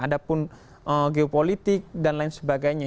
ada pun geopolitik dan lain sebagainya